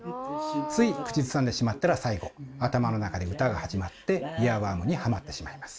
つい口ずさんでしまったら最後頭の中で歌が始まってイヤーワームにハマってしまいます。